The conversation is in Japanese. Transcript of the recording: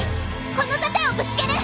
この盾をぶつける！